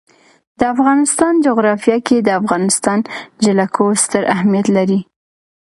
د افغانستان جغرافیه کې د افغانستان جلکو ستر اهمیت لري.